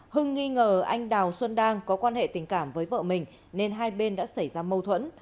hưng nghi ngờ anh đào xuân đang có quan hệ tình cảm với vợ mình nên hai bên đã xảy ra mâu thuẫn